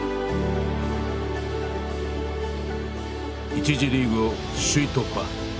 １次リーグを首位突破。